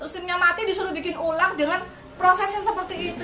mesinnya mati disuruh bikin ulang dengan proses yang seperti itu